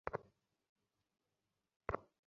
চুপিসাড়ে শত্রুকে অনুসরণ করার ওস্তাদ।